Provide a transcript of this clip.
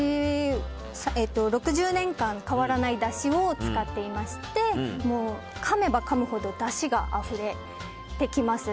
６０年間変わらないだしを使っていましてかめばかむほどだしがあふれてきます。